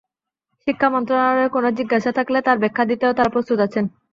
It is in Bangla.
শিক্ষা মন্ত্রণালয়ের কোনো জিজ্ঞাসা থাকলে তার ব্যাখ্যা দিতেও তাঁরা প্রস্তুত আছেন।